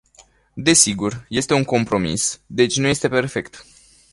Desigur, este un compromis, deci nu este perfect.